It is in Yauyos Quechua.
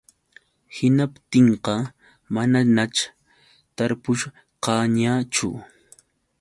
Hinaptinqa manañaćh tarpushqaañachu.